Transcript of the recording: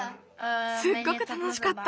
すっごくたのしかった。